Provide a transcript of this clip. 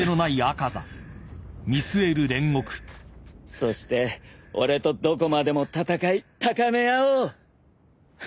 そして俺とどこまでも戦い高め合おう。